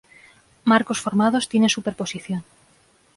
Marcos formados tienen superposición.